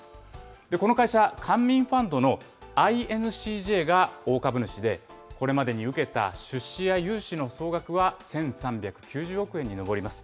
この会社、官民ファンドのＩＮＣＪが大株主で、これまでに受けた出資や融資の総額は１３９０億円に上ります。